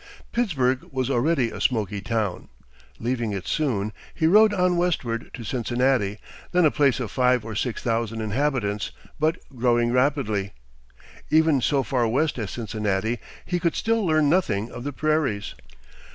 Pittsburg was already a smoky town. Leaving it soon, he rode on westward to Cincinnati, then a place of five or six thousand inhabitants, but growing rapidly. Even so far west as Cincinnati he could still learn nothing of the prairies.